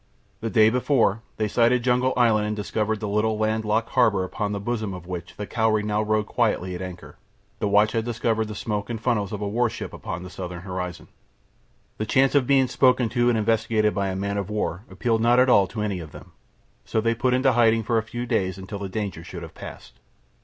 The day before they sighted Jungle Island and discovered the little land locked harbour upon the bosom of which the Cowrie now rode quietly at anchor, the watch had discovered the smoke and funnels of a warship upon the southern horizon. The chance of being spoken to and investigated by a man of war appealed not at all to any of them, so they put into hiding for a few days until the danger should have passed.